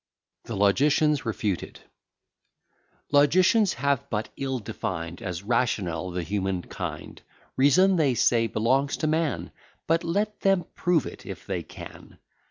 THE LOGICIANS REFUTED Logicians have but ill defined As rational, the human kind; Reason, they say, belongs to man, But let them prove it if they can.